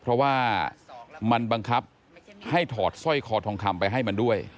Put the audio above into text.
เพราะว่ามันบังคับให้ถอดสร้อยคอทองคำไปให้มันด้วย